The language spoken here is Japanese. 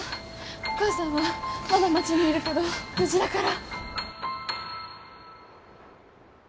お母さんはまだ町にいるけど無事だから。